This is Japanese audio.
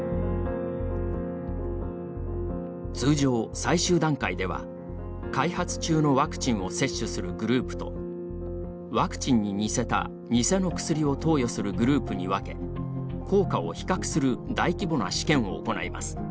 通常、最終段階では開発中のワクチンを接種するグループとワクチンに似せた偽の薬を投与するグループに分け効果を比較する大規模な試験を行います。